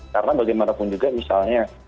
karena bagaimanapun juga misalnya